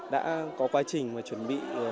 đã có quá trình chuẩn bị